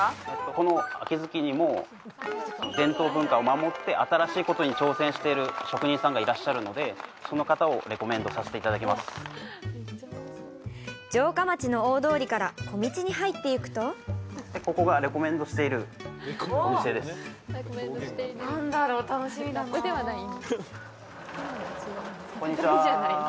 この秋月にも伝統文化を守って新しいことに挑戦してる職人さんがいらっしゃるのでその方をレコメンドさせて頂きます城下町の大通りから小道に入っていくとここがレコメンドしているお店です何だろう楽しみだなこんにちは